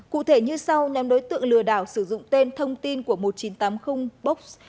cụ thể như sau nhóm đối tượng lừa đảo sử dụng tên thông tin của một nghìn chín trăm tám mươi books